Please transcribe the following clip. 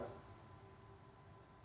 ramai sekali ya